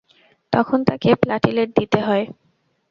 তখন তাকে প্লাটিলেট দিতে হয়।